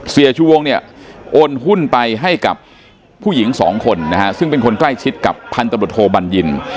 เสียชูวงโอนหุ้นไปให้กับผู้หญิง๒คนซึ่งเป็นคนใกล้ชิดกับพันตะบริโธบันยิน